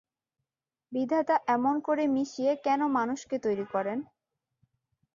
বিধাতা এমন করে মিশিয়ে কেন মানুষকে তৈরি করেন?